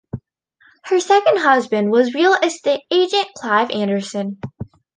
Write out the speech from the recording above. Her second husband was real estate agent Clive Anderson.